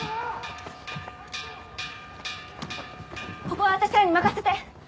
・ここは私らに任せて。